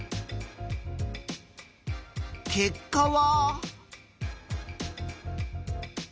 結果は。